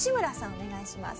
お願いします。